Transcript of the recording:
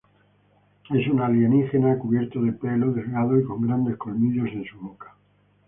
Es un alienígena cubierto de pelo, delgado y con grandes colmillos en su boca.